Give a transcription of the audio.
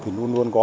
thì luôn luôn có